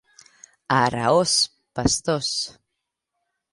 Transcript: A Araós, pastors.